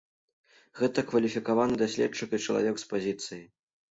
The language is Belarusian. Гэта кваліфікаваны даследчык і чалавек з пазіцыяй.